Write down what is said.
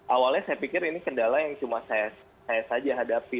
awalnya saya pikir ini kendala yang cuma saya saja hadapi